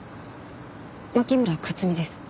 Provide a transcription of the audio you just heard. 牧村克実です。